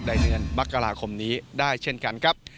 ในเดือนมกราคมนี้ได้เช่นกันครับ